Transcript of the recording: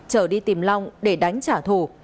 trở đi tìm long để đánh trả thù